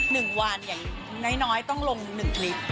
หนึ่งวันอย่างน้อยน้อยต้องลงหนึ่งคลิป